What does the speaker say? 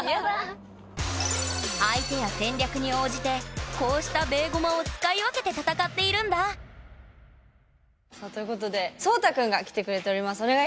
相手や戦略に応じてこうしたベーゴマを使い分けて戦っているんだ！ということでそうた君が来てくれております。